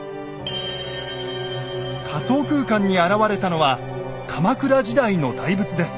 仮想空間に現れたのは鎌倉時代の大仏です。